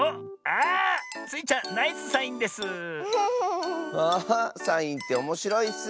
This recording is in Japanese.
あサインっておもしろいッス。